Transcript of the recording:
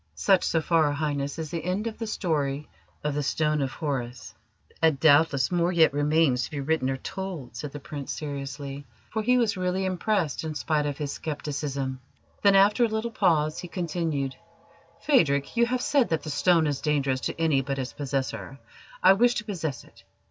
Such so far, Highness, is the end of the story of the Stone of Horus." "And doubtless more yet remains to be written or told," said the Prince seriously, for he was really impressed in spite of his scepticism. Then, after a little pause, he continued: "Phadrig, you have said that the stone is dangerous to any but its possessor. I wish to possess it.